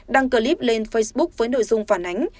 đăng clip lên facebook với nội dung phản ánh